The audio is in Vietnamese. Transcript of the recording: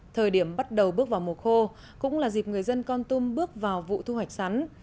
thời điểm bắt đầu bước vào mùa khô cũng là dịp người dân con tum bước vào vụ thu hoạch sắn